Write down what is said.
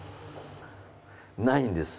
ないんです。